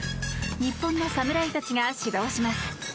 日本の侍たちが始動します。